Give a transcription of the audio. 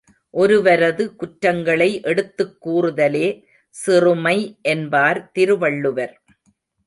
ஒருவரது குற்றங்களை எடுத்துக் கூறுதலே சிறுமை என்பார் திருவள்ளுவர்.